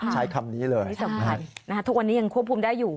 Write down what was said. ใช้คำนี้เลยที่สำคัญทุกวันนี้ยังควบคุมได้อยู่